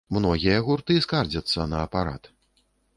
Многія гурты скардзяцца на апарат.